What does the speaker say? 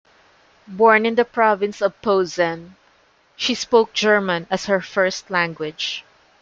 Born in the Province of Posen, she spoke German as her first language.